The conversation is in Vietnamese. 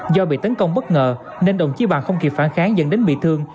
do bị tấn công bất ngờ nên đồng chí bàn không kịp phản kháng dẫn đến bị thương